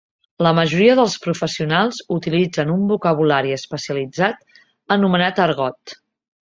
La majoria dels professionals utilitzen un vocabulari especialitzat anomenat argot.